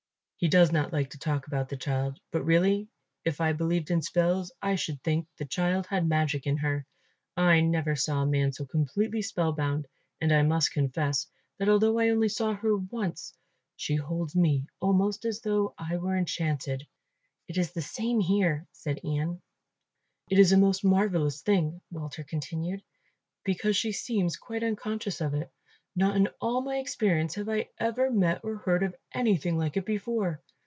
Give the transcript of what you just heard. "He does not like to talk about the child, but really, if I believed in spells, I should think the child had magic in her. I never saw a man so completely spell bound and I must confess that although I only saw her once, she holds me almost as though I were enchanted." "It is the same here," said Ian. "It is a most marvellous thing," Walter continued, "because she seems quite unconscious of it; not in all my experience have I ever met or heard of anything like it before.